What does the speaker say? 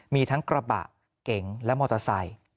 มีทั้งกระบะเก๋งและมอเตอร์ไซค์